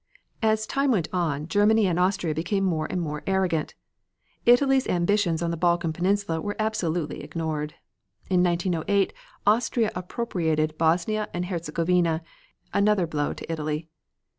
As time went on Germany and Austria became more and more arrogant. Italy's ambitions on the Balkan peninsula were absolutely ignored. In 1908 Austria appropriated Bosnia and Herzegovina, another blow to Italy.